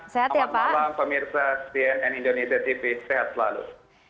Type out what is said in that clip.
selamat malam pemirsa cnn indonesia tv sehat selalu